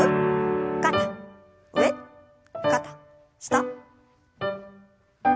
肩上肩下。